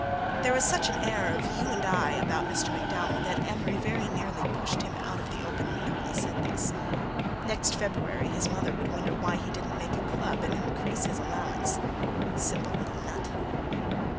There was such an air of "you and I" about Mr. McDowell that Amory very nearly pushed him out of the open window when he said this. ... Next February his mother would wonder why he didn't make a club and increase his allowance... simple little nut....